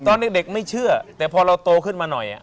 ตอนเด็กไม่เชื่อแต่พอเราโตขึ้นมาหน่อย